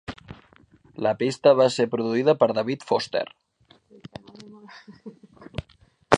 La pista va ser produïda per David Foster.